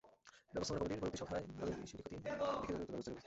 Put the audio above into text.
ব্যবস্থাপনা কমিটির পরবর্তী সভায় আমি বিষয়টি খতিয়ে দেখে যথাযথ ব্যবস্থা নেব।